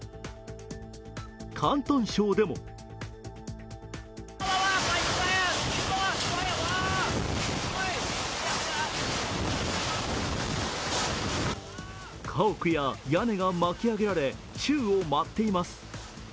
広東省でも家屋や屋根が巻き上げられ宙を舞っています。